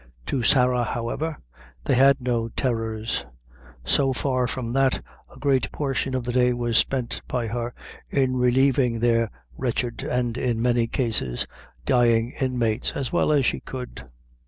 To Sarah, however, they had no terrors; so far from that, a great portion of the day was spent by her in relieving their wretched, and, in many cases, dying inmates, as well as she could.